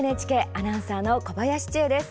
アナウンサーの小林千恵です。